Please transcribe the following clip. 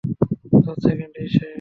দশ সেকেন্ড শেষ।